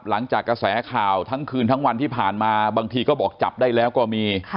กระแสข่าวทั้งคืนทั้งวันที่ผ่านมาบางทีก็บอกจับได้แล้วก็มี